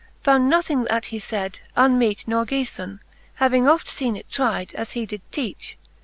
Found nothing, that he faid, unmeet nor geaibn. Having oft feene it tryde, as he did teach.